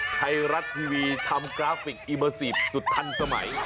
ไทรัตท์ทีวีทำกราฟิกอิบาสีบสุดทันสมัย